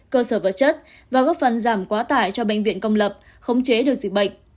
cơ sở vật chất và góp phần giảm quá tải cho bệnh viện công lập khống chế được dịch bệnh